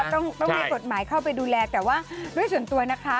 ต้องมีกฎหมายเข้าไปดูแลแต่ว่าด้วยส่วนตัวนะคะ